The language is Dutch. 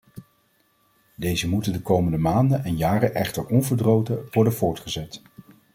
Deze moeten de komende maanden en jaren echter onverdroten worden voortgezet.